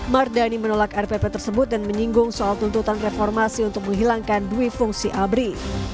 mardani menolak rpp tersebut dan menyinggung soal tuntutan reformasi untuk menghilangkan dwi fungsi abri